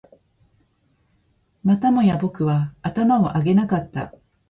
またもや僕は頭を上げなかった